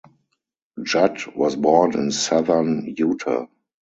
Judd was born in southern Utah.